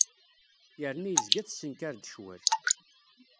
Yerna yezga tessenkar-d ccwal.